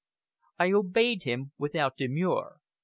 I obeyed him without demur.